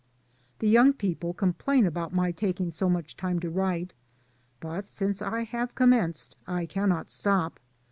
The young people complain about my tak ing so much time to write, but since I have commenced I cannot stop.